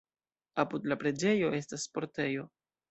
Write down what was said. Apud la preĝejo estas sportejo.